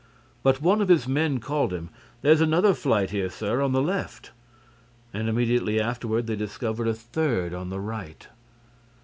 But one of his men called him: "There's another flight here, sir, on the left." And, immediately afterward, they discovered a third, on the right.